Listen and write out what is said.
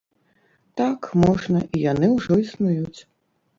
Так, можна, і яны ўжо існуюць.